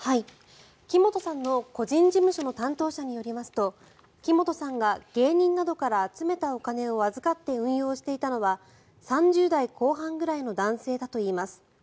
木本さんの個人事務所の担当者によりますと木本さんが芸人などから集めたお金を預かって運用していたのは３０代後半ぐらいの男性だといいます。